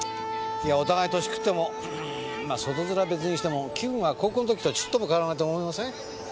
いやお互い歳くってもうんま外面は別にしても気分は高校の時とちっとも変わらないと思いません？